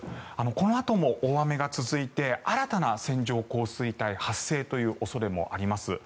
このあとも大雨が続いて新たな線状降水帯発生という恐れもあります。